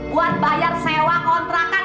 buat bayar sewa kontrakan